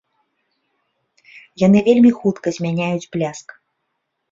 Яны вельмі хутка змяняюць бляск.